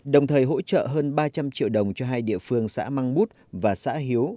đồng thời hỗ trợ hơn ba trăm linh triệu đồng cho hai địa phương xã măng bút và xã hiếu